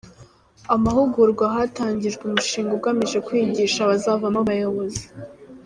Amahugurwa hatangijwe umushinga ugamije kwigisha abazavamo abayobozi